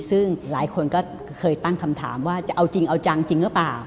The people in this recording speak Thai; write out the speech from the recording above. ซึ่งหลายคนก็เคยตั้งคำถามว่าจะเอาจริงเอาจังจริงหรือเปล่า